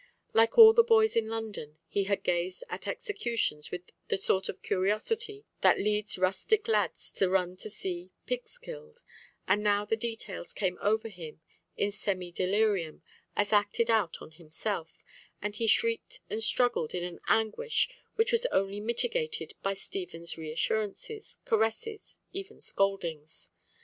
Like all the boys in London, he had gazed at executions with the sort of curiosity that leads rustic lads to run to see pigs killed, and now the details came over him in semi delirium, as acted out on himself, and he shrieked and struggled in an anguish which was only mitigated by Stephen's reassurances, caresses, even scoldings.